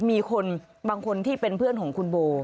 มีคนบางคนที่เป็นเพื่อนของคุณโบ